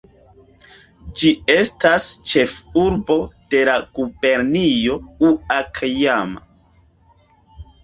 Ĝi estas ĉefurbo de la gubernio Ŭakajama.